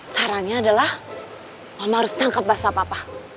caranya adalah mama harus tangkap bahasa papa